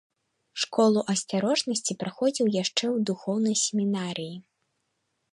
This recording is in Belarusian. Школу асцярожнасці праходзіў яшчэ ў духоўнай семінарыі.